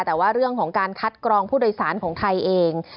แต่ว่าเรื่องของการคัดกรองผู้โดยสารของไทยเอง